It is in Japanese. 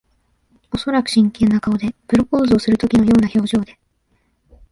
おそらく真剣な顔で。プロポーズをするときのような表情で。